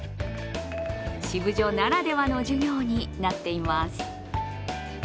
シブジョならではの授業になっています。